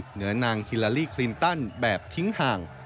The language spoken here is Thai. เหนือนางฮิลารี่คลินตันแบบทิ้งห่าง